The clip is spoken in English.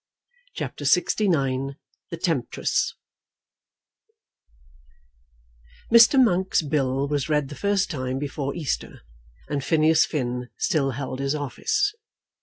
CHAPTER LXIX The Temptress Mr. Monk's bill was read the first time before Easter, and Phineas Finn still held his office.